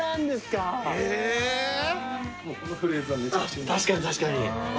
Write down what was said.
確かに確かに。